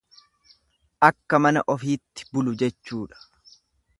Akka mana ofiitti bulu jechuudha.